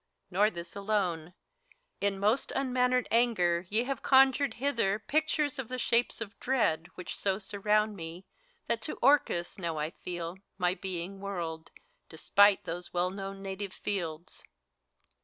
Nor this alone : in most unmannered anger ye Have conjured hither pictures of the shapes of dread, Which so surround me, that to Orcus now I feel My being whirled, despite these well known native fields.